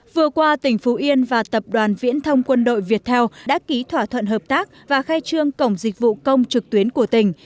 vừa qua tỉnh phú yên và tập đoàn viễn thông quân đội việt theo đã ký thỏa thuận hợp tác và khai trương cổng dịch vụ công trực tuyến của tỉnh